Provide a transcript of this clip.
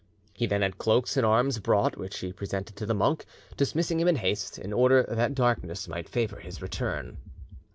He then had cloaks and arms brought which he presented to the monk, dismissing him in haste, in order that darkness might favour his return.